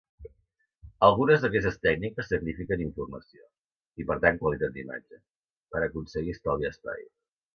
Algunes d'aquestes tècniques sacrifiquen informació, i per tant qualitat d'imatge, per aconseguir estalviar espai.